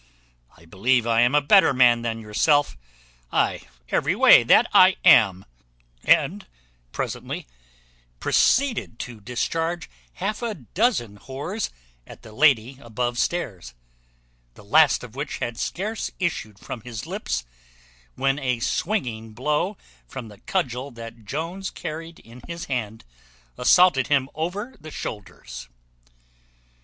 I believe I am a better man than yourself; ay, every way, that I am;" and presently proceeded to discharge half a dozen whores at the lady above stairs, the last of which had scarce issued from his lips, when a swinging blow from the cudgel that Jones carried in his hand assaulted him over the shoulders.